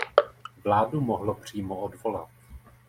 Vládu mohlo přímo odvolat.